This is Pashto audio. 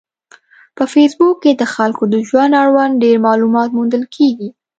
په فېسبوک کې د خلکو د ژوند اړوند ډېر معلومات موندل کېږي.